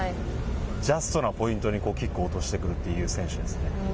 ジャストなポイントにキックを落としてくるという選手ですね。